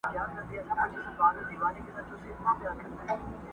اشنا کوچ وکړ کوچي سو زه یې پرېښودم یوازي!.